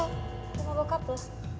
rumah bokap lo